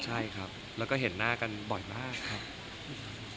ใช่ครับแล้วก็เห็นหน้ากันบ่อยมากครับ